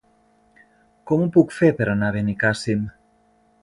Com ho puc fer per anar a Benicàssim?